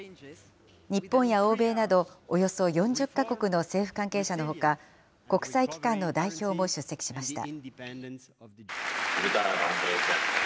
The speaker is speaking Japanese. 日本や欧米などおよそ４０か国の政府関係者のほか、国際機関の代表も出席しました。